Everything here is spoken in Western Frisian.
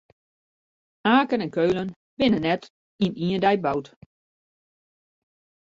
Aken en Keulen binne net yn ien dei boud.